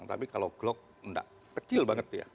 tapi kalau glock nggak kecil banget dia